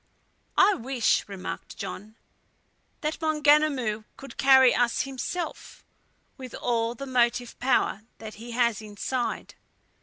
"I wish," remarked John, "that Maunganamu could carry us himself, with all the motive power that he has inside.